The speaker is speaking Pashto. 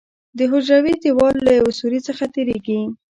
د حجروي دیوال له یو سوري څخه تېریږي.